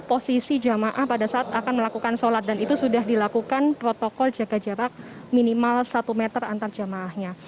posisi jamaah pada saat akan melakukan sholat dan itu sudah dilakukan protokol jaga jarak minimal satu meter antar jamaahnya